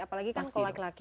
apalagi kan sekolah laki laki